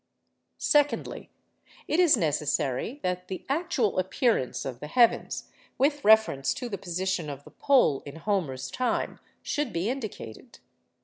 Secondly, it is necessary that the actual appearance of the heavens, with reference to the position of the pole in Homer's time should be indicated.